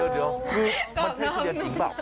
เดี๋ยวคือมันใช่ทะเบียนจริงเปล่า